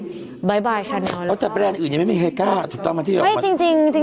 แต่แบรนด์อื่นยังไม่มีินระยะ